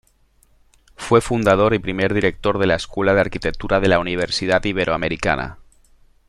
Fue fundador y primer director de la escuela de arquitectura de la Universidad Iberoamericana.